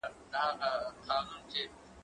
زه هره ورځ ليکنه کوم،